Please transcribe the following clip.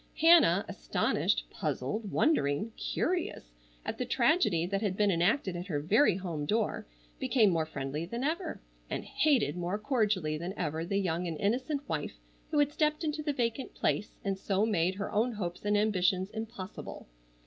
Hannah, astonished, puzzled, wondering, curious, at the tragedy that had been enacted at her very home door, became more friendly than ever and hated more cordially than ever the young and innocent wife who had stepped into the vacant place and so made her own hopes and ambitions impossible.